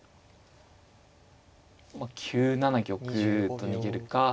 まあ９七玉と逃げるか。